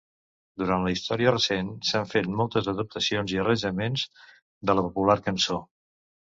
Durant la història recent s'han fet moltes adaptacions i arranjaments de la popular cançó.